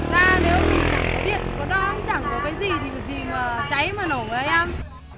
thật ra nếu điện có đóng chẳng có cái gì thì cái gì mà cháy mà nổ đấy em